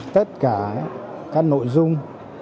tất cả các nội dung